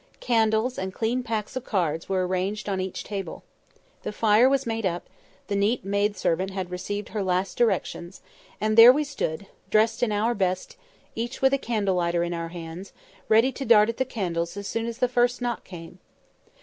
Candles, and clean packs of cards, were arranged on each table. The fire was made up; the neat maid servant had received her last directions; and there we stood, dressed in our best, each with a candle lighter in our hands, ready to dart at the candles as soon as the first knock came.